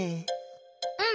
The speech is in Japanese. うん。